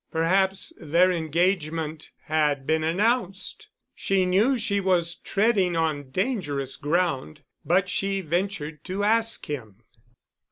Perhaps their engagement had been announced. She knew she was treading on dangerous ground, but she ventured to ask him.